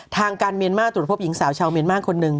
ทางการเมียนมาร์ตรวจพบหญิงสาวชาวเมียนมาร์คนหนึ่ง